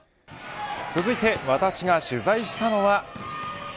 続いて私が取材したのは。